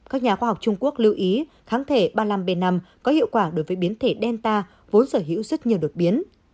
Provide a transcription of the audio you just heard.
các nhà khoa học trung quốc lưu ý kháng thể ba mươi năm b năm có hiệu quả đối với biến thể delta vốn sở hữu rất nhiều đột biến